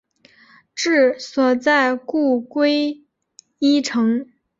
治所在故归依城。